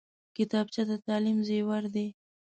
کتابچه د تعلیم زیور دی